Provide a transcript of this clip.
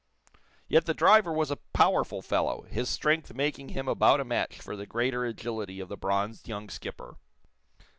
Yet the driver was a powerful fellow, his strength making him about a match for the greater agility of the bronzed young skipper.